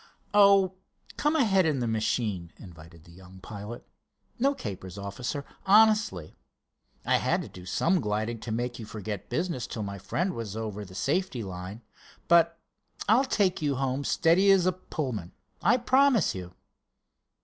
"Oh, come ahead in the machine," invited the young pilot. "No capers, officer, honestly. I had to do some gliding to make you forget business till my friend was over the safety line, but I'll take you home steady as a Pullman, I promise you."